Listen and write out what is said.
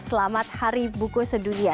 selamat hari bukit sedunia